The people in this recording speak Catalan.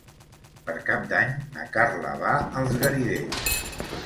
Per Cap d'Any na Carla va als Garidells.